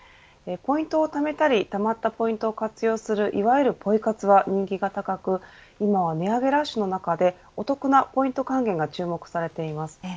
ポイントをためたりたまったポイントを活用するいわゆるポイ活は人気が高く今は宮暮らしの中でお得なポイント還元が注目されています。